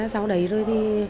sau đấy rồi thì